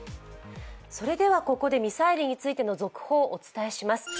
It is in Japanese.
それではここでミサイルについての続報をお伝えします。